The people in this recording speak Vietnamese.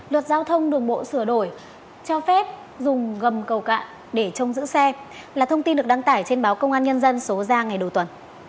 luật giao thông đường bộ sửa đổi cho phép dùng gầm cầu cạn để trông giữ xe là thông tin được đăng tải trên báo công an nhân dân số ra ngày đầu tuần